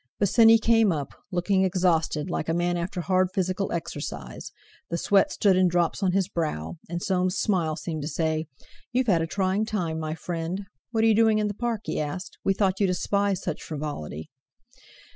Bosinney came up, looking exhausted, like a man after hard physical exercise; the sweat stood in drops on his brow, and Soames' smile seemed to say: "You've had a trying time, my friend.... What are you doing in the Park?" he asked. "We thought you despised such frivolity!"